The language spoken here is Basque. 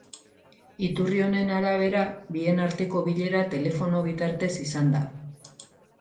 Iturri honen arabera, bien arteko bilera telefono bitartez izan da.